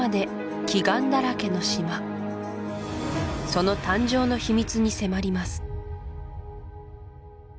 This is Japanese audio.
その誕生の秘密に迫ります